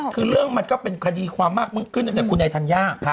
คือเรื่องมันก็เป็นคดีความมากขึ้นจากคุณไอทันย่า